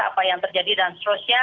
apa yang terjadi dan seterusnya